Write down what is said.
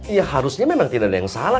ya harusnya memang tidak ada yang salah